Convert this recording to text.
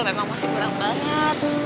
memang masih kurang banget